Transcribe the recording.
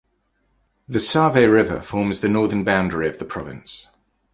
The Save River forms the northern boundary of the province.